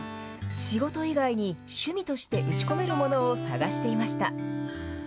仕事以外に趣味として打ち込めるものを探していました。